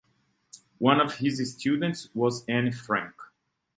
One of his students was Anne Frank.